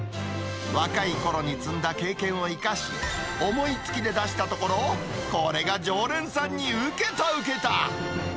若いころに積んだ経験を生かし、思いつきで出したところ、これが常連さんに受けた受けた。